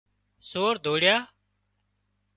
سور ڌوڙيا